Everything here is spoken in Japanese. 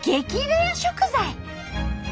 レア食材！